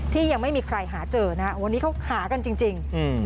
ยังไม่มีใครหาเจอนะฮะวันนี้เขาหากันจริง